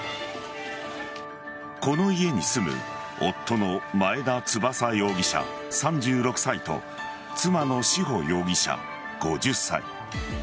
この家に住む夫の前田翼容疑者３６歳と妻の志保容疑者、５０歳。